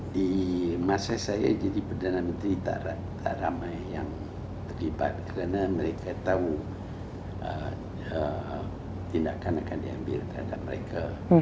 di masa saya jadi perdana menteri tak ramai yang terlibat karena mereka tahu tindakan akan diambil terhadap mereka